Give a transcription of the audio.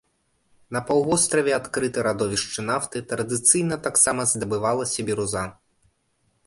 На паўвостраве адкрыты радовішчы нафты, традыцыйна таксама здабывалася біруза.